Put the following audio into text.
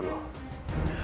saya akan menyelidiki dulu